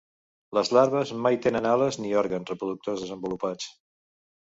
Les larves mai tenen ales ni òrgans reproductors desenvolupats.